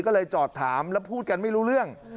ก็เลยจอดถามแล้วพูดกันไม่รู้เรื่อง